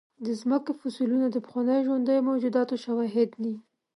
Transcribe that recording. د مځکې فوسیلونه د پخوانیو ژوندیو موجوداتو شواهد دي.